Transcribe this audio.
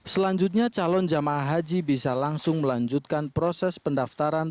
selanjutnya calon jemaah haji bisa langsung melanjutkan proses pendaftaran